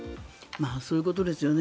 そういうことですよね。